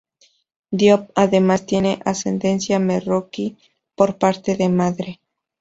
Diop además tiene ascendencia marroquí por parte de madre.